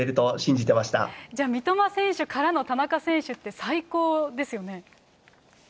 じゃあ、三笘選手からの田中選手って、最高ですね。